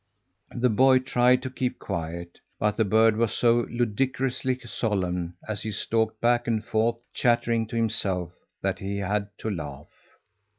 The boy tried to keep quiet, but the bird was so ludicrously solemn, as he stalked back and forth chattering to himself, that he had to laugh.